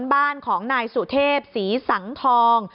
บ้านของนายสุเทพศรีสังทอง